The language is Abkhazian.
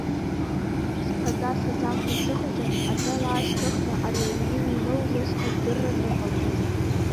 Сԥаҵа саӡамкәа сыҟазар, аҭел аашьҭыхны ари аҩны иҟоу лышҟа адырра ныҟалҵоит…